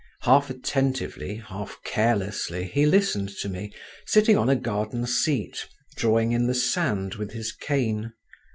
Half attentively, half carelessly, he listened to me, sitting on a garden seat, drawing in the sand with his cane.